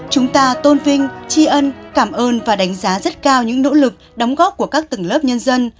chúng ta tôn vinh tri ân cảm ơn và đánh giá rất cao những nỗ lực đóng góp của các tầng lớp nhân dân